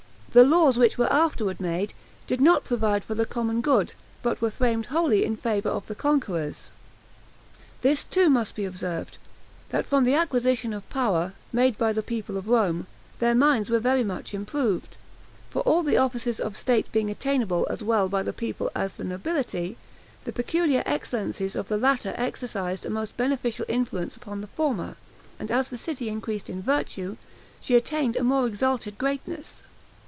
The laws which were afterward made, did not provide for the common good, but were framed wholly in favor of the conquerors. This too, must be observed, that from the acquisition of power, made by the people of Rome, their minds were very much improved; for all the offices of state being attainable as well by the people as the nobility, the peculiar excellencies of the latter exercised a most beneficial influence upon the former; and as the city increased in virtue she attained a more exalted greatness.